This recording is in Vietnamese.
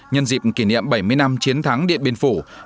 nhân dịp kỷ niệm bảy mươi năm chiến thắng điện biên phủ